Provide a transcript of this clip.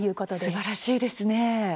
すばらしいですね。